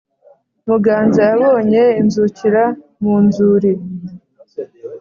Muganza yabonye inzukira mu nzuri.